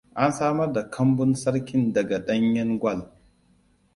An samar da kambun sarkin daga ɗanyen gwal.